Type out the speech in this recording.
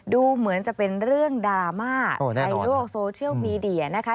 ดูเหมือนจะเป็นเรื่องดราม่าในโลกโซเชียลมีเดียนะคะ